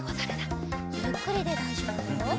ゆっくりでだいじょうぶだよ。